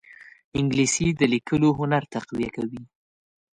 انګلیسي د لیکلو هنر تقویه کوي